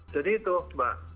jadi itu mbak